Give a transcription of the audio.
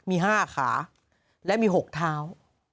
มี๕ขาและมี๖เท้า